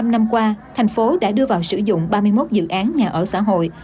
năm năm qua thành phố đã đưa vào sử dụng ba mươi một dự án nhà ở xã hội